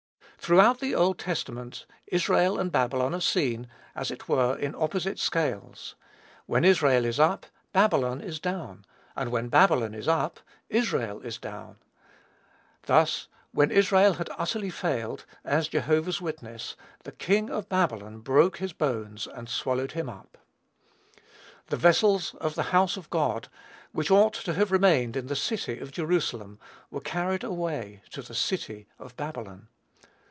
Throughout the Old Testament Israel and Babylon are seen, as it were, in opposite scales; when Israel is up, Babylon is down; and when Babylon is up, Israel is down. Thus, when Israel had utterly failed, as Jehovah's witness, "the king of Babylon broke his bones," and swallowed him up. The vessels of the house of God, which ought to have remained in the city of Jerusalem, were carried away to the city of Babylon.